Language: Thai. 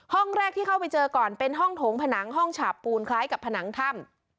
ห้องแรกที่เข้าไปเจอก่อนเป็นห้องโถงผนังห้องฉาบปูนคล้ายกับผนังถ้ำ